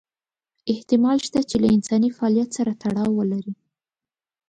احتمال شته چې له انساني فعالیت سره تړاو ولري.